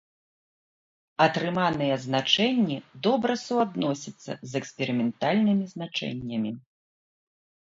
Атрыманыя значэнні добра суадносяцца з эксперыментальнымі значэннямі.